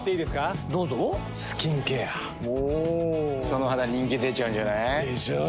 その肌人気出ちゃうんじゃない？でしょう。